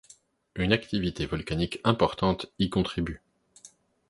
Une activité volcanique importante y contribue.